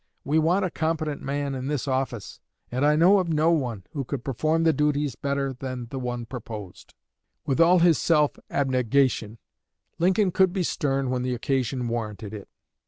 We want a competent man in this office, and I know of no one who could perform the duties better than the one proposed." With all his self abnegation, Lincoln could be stern when the occasion warranted it.